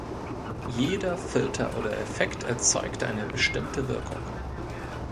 Jeder Filter oder Effekt erzeugt eine bestimmte Wirkung.